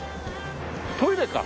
トイレか？